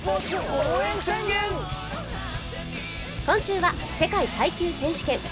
今週は世界耐久選手権。